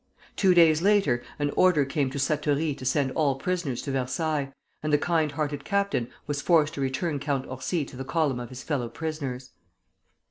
Two days later an order came to Satory to send all prisoners to Versailles, and the kind hearted captain was forced to return Count Orsi to the column of his fellow prisoners.